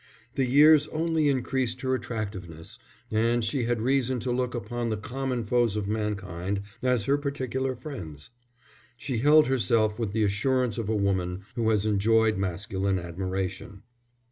The years only increased her attractiveness, and she had reason to look upon the common foes of mankind as her particular friends. She held herself with the assurance of a woman who has enjoyed masculine admiration.